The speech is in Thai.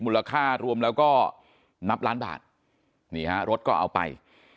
มูลค่ารวมแล้วก็นับล้านบาทนี่ฮะรถก็เอาไป